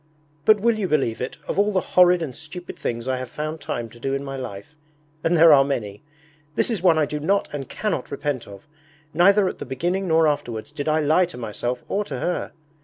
But will you believe it, of all the horrid and stupid things I have found time to do in my life and there are many this is one I do not and cannot repent of. Neither at the beginning nor afterwards did I lie to myself or to her.